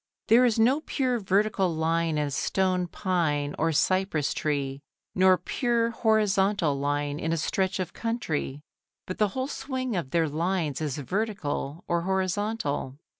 There is no pure vertical line in a stone pine or cypress tree, nor pure horizontal line in a stretch of country, but the whole swing of their lines is vertical or horizontal.